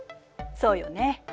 そうよね。